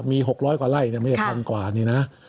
มี๖๐๐กว่าไร่ไม่ใช่พันกว่านี่นะ